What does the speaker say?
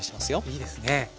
いいですね。